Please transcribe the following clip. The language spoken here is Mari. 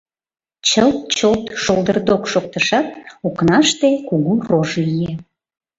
Чылт-чолт-шолдырдок шоктышат, окнаште кугу рож лие.